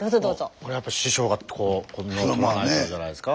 これはやっぱ師匠がこう布を取らないとじゃないですか？